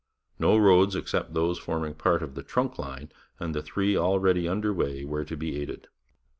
No roads except those forming part of the Trunk line and the three already under way were to be aided.